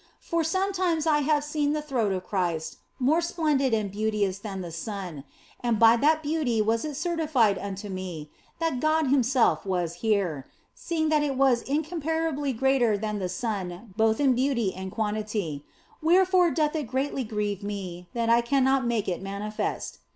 For sometimes I have seen the throat of Christ more splendid and beauteous than the sun, and by that beauty was it certified unto me that God Himself was here, seeing that it was incom parably greater than the sun both in beauty and quantity, wherefore doth it greatly grieve me that I cannot make it manifest.